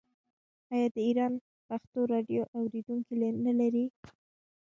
آیا د ایران پښتو راډیو اوریدونکي نلري؟